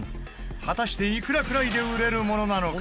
果たして、いくらくらいで売れるものなのか？